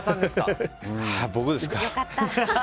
僕ですか。